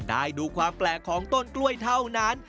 ได้ดูความแปลกของต้นกล้วยเท่านั้น